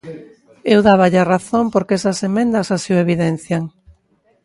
Eu dáballe a razón porque esas emendas así o evidencian.